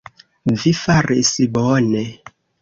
Vi faris bone.